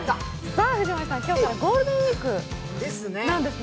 藤森さん、今日からゴールデンウイークなんですね。